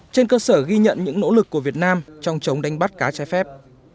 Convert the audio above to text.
trên cơ sở ghi nhận những nỗ lực của việt nam trong chống đánh bắt cá trái phép